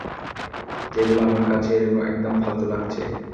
যেগুলো আমার কাছে একদম ফালতু লাগছে।